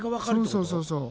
そうそうそうそう。